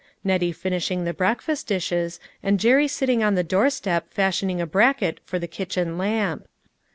Nettie finishing the breakfast dishes, and Jerry sitting on the doorstep fashioning a bracket for the kitchen lamp.